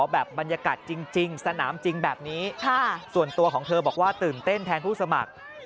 แบบบรรยากาศจริงสนามจริงแบบนี้ส่วนตัวของเธอบอกว่าตื่นเต้นแทนผู้สมัคร